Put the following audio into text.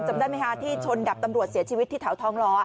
จำได้ไหมคะที่ชนดับตำรวจเสียชีวิตที่แถวทองล้อ